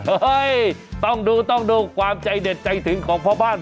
เอ้ยต้องดูต้องดูความใจเด็ดใจถึงของพ่อบ้าน